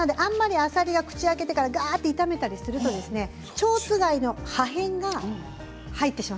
あまり、あさりが口を開けてから炒めるとちょうつがいの破片が入ってしまう。